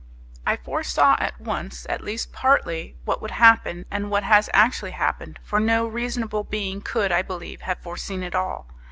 I foresaw at once, at least partly; what would happen; and what has actually, happened; for no reasonable being could, I believe, have foreseen it all.